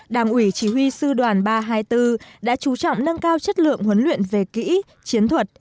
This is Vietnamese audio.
đảng ủy chỉ huy sư đoàn ba trăm hai mươi bốn đã chú trọng nâng cao chất lượng huấn luyện về kỹ chiến thuật